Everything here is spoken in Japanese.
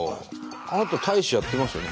あなた大使やってますよね？